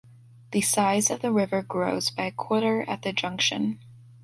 The size of the river grows by a quarter at the junction.